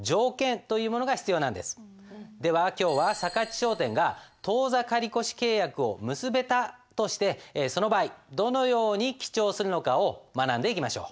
商店が当座借越契約を結べたとしてその場合どのように記帳するのかを学んでいきましょう。